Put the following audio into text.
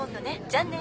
じゃあね。